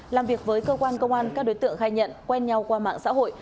làm việc với cơ quan công an các đối tượng khai nhận quen nhau qua mạng xã hội